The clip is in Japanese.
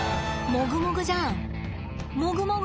もぐもぐじゃん。